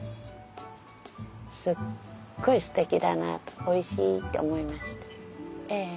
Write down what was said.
すっごいステキだなおいしいって思いました。